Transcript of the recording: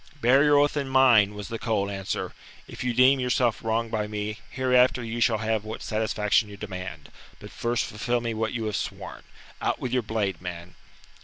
"Bear your oath in mind," was the cold answer. "If you deem yourself wronged by me, hereafter you shall have what satisfaction you demand. But first fulfil me what you have sworn. Out with your blade, man."